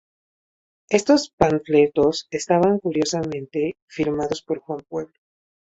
Estos panfletos estaban curiosamente firmados por Juan Pueblo.